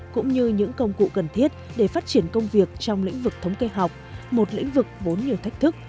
cũng như những công cụ cần thiết để phát triển công việc trong lĩnh vực thống kê học một lĩnh vực vốn nhiều thách thức